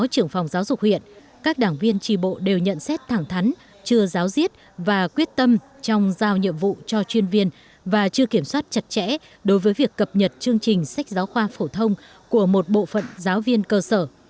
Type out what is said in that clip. trưởng phòng giáo dục huyện các đảng viên trì bộ đều nhận xét thẳng thắn chưa giáo diết và quyết tâm trong giao nhiệm vụ cho chuyên viên và chưa kiểm soát chặt chẽ đối với việc cập nhật chương trình sách giáo khoa phổ thông của một bộ phận giáo viên cơ sở